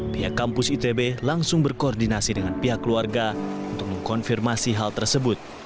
pihak kampus itb langsung berkoordinasi dengan pihak keluarga untuk mengkonfirmasi hal tersebut